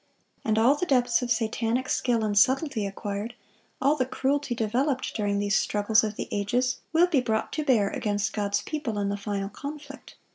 And all the depths of satanic skill and subtlety acquired, all the cruelty developed, during these struggles of the ages, will be brought to bear against God's people in the final conflict.